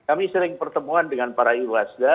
kami sering pertemuan dengan para iwasda